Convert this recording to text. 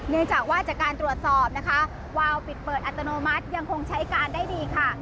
เนื่องจากว่าจากการตรวจสอบนะคะวาวปิดเปิดอัตโนมัติยังคงใช้การได้ดีค่ะ